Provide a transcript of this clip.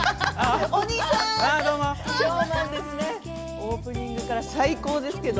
オープニングから最高ですけど。